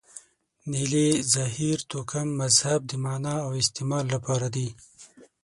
نیلې، زهیر، توکم، مهذب د معنا او استعمال لپاره دي.